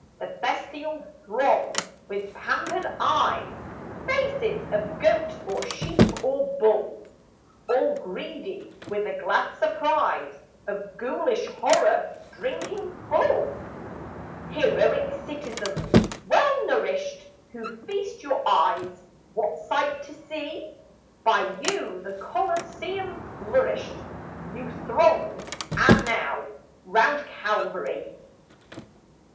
The bestial throng with pampered eyes Faces of goat or sheep or bull All greedy with a glad surprise Of ghoulish horror drinking full. Heroic citizens, well nourished, Who feast your eyes: What sight to see? By you the Coliseum flourished; You thronged, as now, round Calvary.